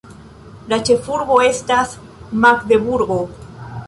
La ĉefurbo estas Magdeburgo.